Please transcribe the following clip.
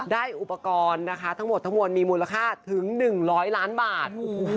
ได้อุปกรณ์ทั้งหมดมีมูลค่าถึง๑๐๐ล้านบาท